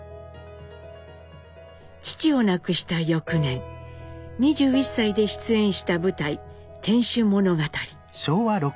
父を亡くした翌年２１歳で出演した舞台「天守物語」。